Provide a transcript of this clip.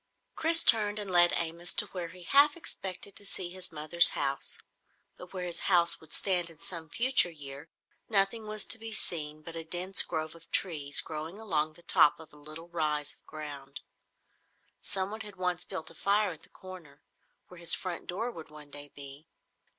Chris turned and led Amos to where he half expected to see his mother's house. But where his house would stand in some future year, nothing was to be seen but a dense grove of trees growing along the top of a little rise of ground. Someone had once built a fire at the corner, where his front door would one day be.